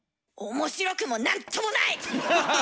面白くもなんともない！